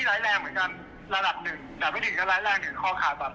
ข้อขาต่าง